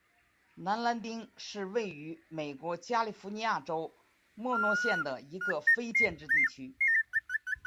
南兰丁是位于美国加利福尼亚州莫诺县的一个非建制地区。